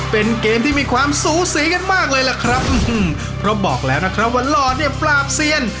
เป็นเกมที่มีความสูสีกันมากเลยล่ะครับเพราะบอกแล้วนะครับว่าหลอดเนี่ยปราบเซียน